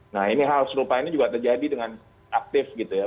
nah ini hal serupa ini juga terjadi dengan aktif gitu ya